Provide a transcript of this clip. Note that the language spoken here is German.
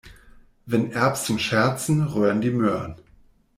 Wenn Erbsen scherzen, röhren die Möhren.